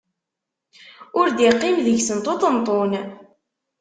Ur d-iqqim deg-sent uṭenṭun.